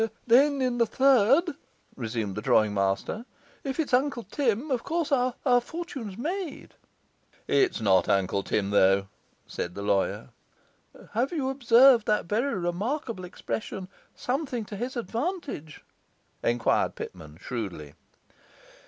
'Then, in the third,' resumed the drawing master, 'if it's Uncle Tim, of course, our fortune's made.' 'It's not Uncle Tim, though,' said the lawyer. 'Have you observed that very remarkable expression: SOMETHING TO HIS ADVANTAGE?' enquired Pitman shrewdly.